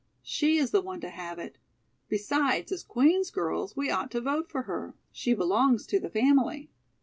She is the one to have it. Besides, as Queen's girls, we ought to vote for her. She belongs to the family."